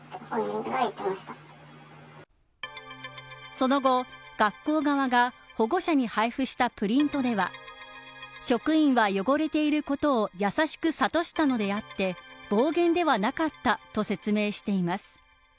その後、学校側が保護者に配布したプリントでは職員は汚れていることを優しく諭したのであって暴言ではなかったと説明しています。